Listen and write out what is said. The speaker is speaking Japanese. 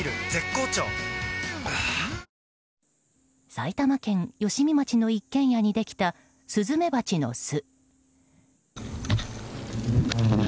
埼玉県吉見町の一軒家にできたスズメバチの巣。